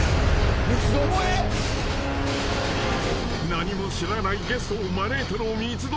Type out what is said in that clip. ［何も知らないゲストを招いての三つどもえ戦］